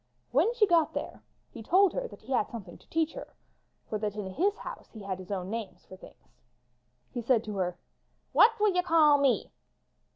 When she got there, he told her that he had something to teach her, for that in his house he had his own names for things. He said to her: *'What will you call me?"